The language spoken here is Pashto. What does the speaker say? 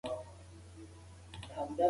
هر څوک باید مناسب برس وټاکي.